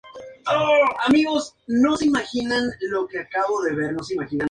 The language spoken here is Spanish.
Gran parte de esta guerra se libró en la península de Corea.